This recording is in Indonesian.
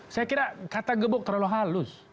saya kira kata gebuk terlalu halus